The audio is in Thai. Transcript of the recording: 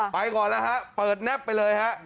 ไปก่อนแล้วครับเปิดแน็พไปเลยครับ